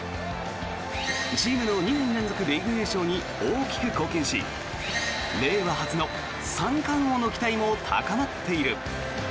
チームの２年連続リーグ優勝に大きく貢献し令和初の三冠王の期待も高まっている。